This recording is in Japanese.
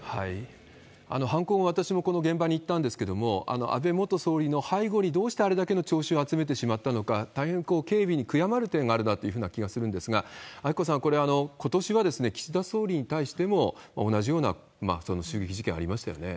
犯行後、私もこの現場に行ったんですけれども、安倍元総理の背後にどうしてあれだけの聴衆を集めてしまったのか、大変警備に悔やまれる点があるなという気がするんですが、明子さん、これ、ことしは岸田総理に対しても同じような襲撃事件ありましたよね。